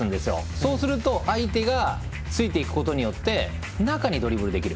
そうすると、相手がついていくことによって中にドリブルできる。